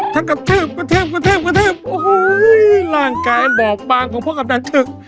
ทั้งกระเทียบกระเทียบกระเทียบกระเทียบโอ้โหล่างกายบอกปางของพ่อกำนันเถอะ